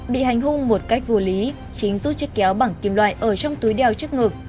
bị hành hung một cách vô lý chính rút chiếc kéo bằng kim loại ở trong túi đeo trước ngực